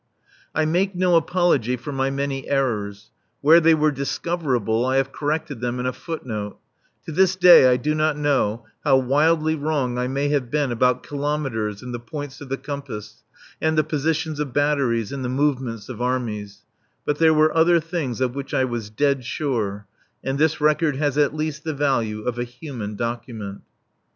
I make no apology for my many errors where they were discoverable I have corrected them in a footnote; to this day I do not know how wildly wrong I may have been about kilometres and the points of the compass, and the positions of batteries and the movements of armies; but there were other things of which I was dead sure; and this record has at least the value of a "human document."